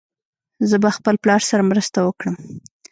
زه به خپل پلار سره مرسته وکړم.